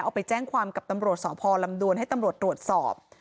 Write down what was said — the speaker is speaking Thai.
เอาไปแจ้งความกับตำรวจสพลำดวนให้ตำรวจตรวจสอบ